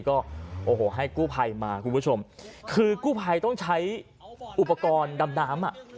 ก็โอ้โหให้กู้ภัยมาคุณผู้ชมคือกู้ภัยต้องใช้อุปกรณ์ดำน้ำอ่ะ